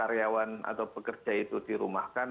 karyawan atau pekerja itu dirumahkan